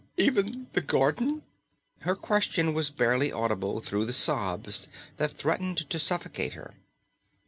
"Even the garden?" Her question was barely audible through the sobs that threatened to suffocate her.